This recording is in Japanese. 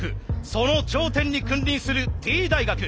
その頂点に君臨するＴ大学。